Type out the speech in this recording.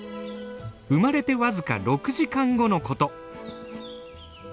生まれてわずか６時間後のこと。